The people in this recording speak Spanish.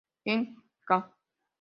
En ca.